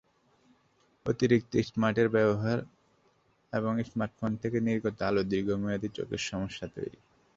অতিরিক্ত স্মার্টফোনের ব্যবহার এবং স্মার্টফোন থেকে নির্গত আলো দীর্ঘমেয়াদি চোখের সমস্যা তৈরি।